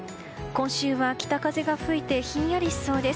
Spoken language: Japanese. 今週は北風が吹いてひんやりしそうです。